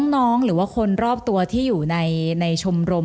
น้องหรือคนรอบตัวถ่ายในชวมโรม